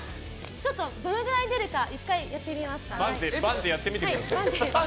ちょっとどれくらい出るか１回やってみますね。